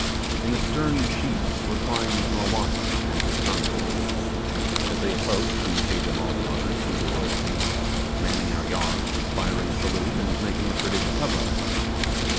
In the stern sheets reclined Mowanna and his consort. As they approached, we paid them all the honours due to royalty; manning our yards, firing a salute, and making a prodigious hubbub.